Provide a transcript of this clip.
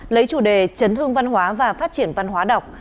lấy chủ đề chấn hương văn hóa và phát triển văn hóa đọc